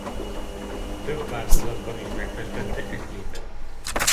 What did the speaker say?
Több változatban is megfestette e képet.